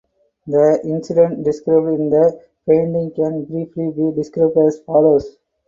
The incident described in the painting can briefly be described as follows.